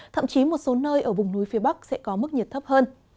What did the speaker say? thậm chí một số nơi ở vùng núi phía bắc sẽ có mức nhiệt thấp hơn